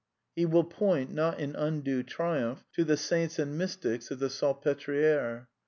^ He will point, not in undue triumph, to the saints and mystics of the Salpetriere.